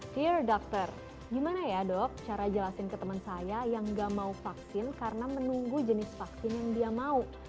pure doctor gimana ya dok cara jelasin ke temen saya yang gak mau vaksin karena menunggu jenis vaksin yang dia mau